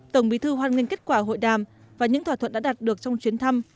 tổng bí thư hoan nghênh kết quả hội đàm và những thỏa thuận đã đạt được trong chuyến thăm